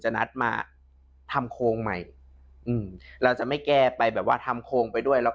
นัดมาทำโครงใหม่อืมเราจะไม่แก้ไปแบบว่าทำโครงไปด้วยแล้ว